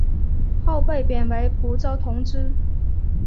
后被贬为蒲州同知。